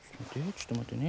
ちょっと待ってね。